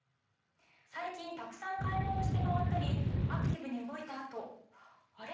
最近たくさん買い物をして回ったりアクティブに動いたあとあれ？